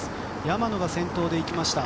山野が先頭で行きました。